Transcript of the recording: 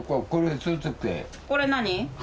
これ何？